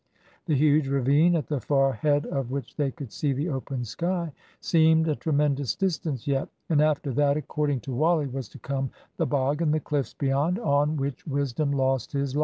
The huge ravine, at the far head of which they could see the open sky, seemed a tremendous distance yet. And after that, according to Wally, was to come the bog and the cliffs beyond, on which Wisdom lost his life.